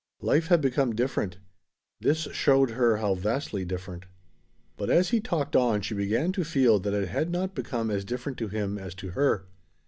Life had become different. This showed her how vastly different. But as he talked on she began to feel that it had not become as different to him as to her.